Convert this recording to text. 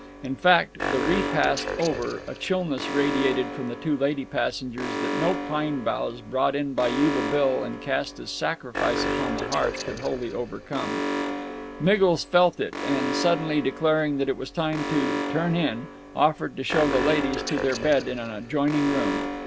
In fact, the repast over, a chillness radiated from the two lady passengers that no pine boughs brought in by Yuba Bill and cast as a sacrifice upon the hearth could wholly overcome. Miggles felt it; and, suddenly declaring that it was time to "turn in," offered to show the ladies to their bed in an adjoining room.